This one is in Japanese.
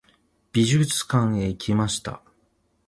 美術館へ行きました。